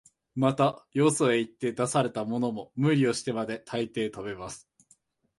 また、よそへ行って出されたものも、無理をしてまで、大抵食べます